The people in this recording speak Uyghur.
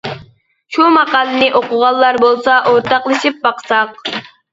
شۇ ماقالىنى ئوقۇغانلار بولسا ئورتاقلىشىپ باقساق.